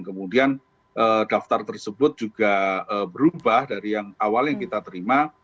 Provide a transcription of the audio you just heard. kemudian daftar tersebut juga berubah dari yang awal yang kita terima